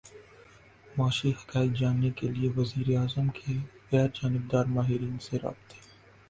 معاشی حقائق جاننے کیلیے وزیر اعظم کے غیر جانبدار ماہرین سے رابطے